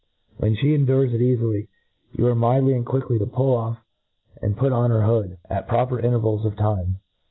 When flie endures it eali ly, you are mildly and quickly to pull off and put pn her hood at, proper intcrvjtls of time.